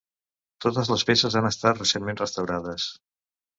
Totes les peces han estat recentment restaurades.